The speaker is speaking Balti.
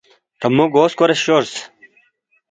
تا مو گو کُھورے شورس